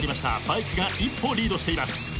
バイクが一歩リードしています。